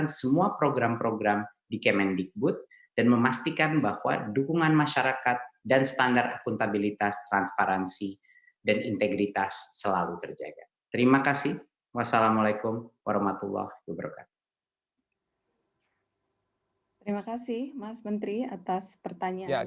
terima kasih mas menteri atas pertanyaan